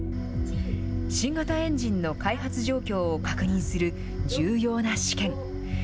新型エンジンの開発状況を確認する重要な試験。